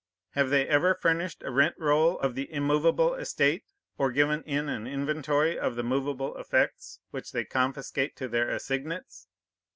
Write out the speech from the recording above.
Have they ever furnished a rent roll of the immovable estate, or given in an inventory of the movable effects, which they confiscate to their assignats?